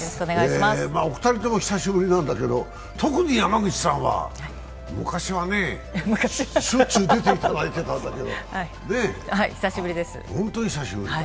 お二人とも久しぶりなんだけど、特に山口さんは昔はね、しょっちゅう出ていただいてたんだど、本当に久しぶりだ。